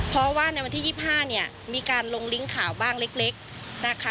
เพราะว่าในวันที่๒๕เนี่ยมีการลงลิงก์ข่าวบ้างเล็กนะคะ